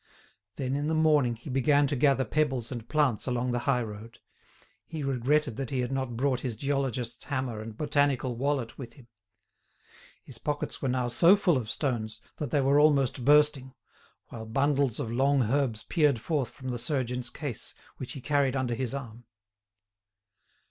Then, in the morning he began to gather pebbles and plants along the high road. He regretted that he had not brought his geologist's hammer and botanical wallet with him. His pockets were now so full of stones that they were almost bursting, while bundles of long herbs peered forth from the surgeon's case which he carried under his arm.